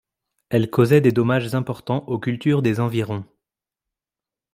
Elle causait des dommages importants aux cultures des environs.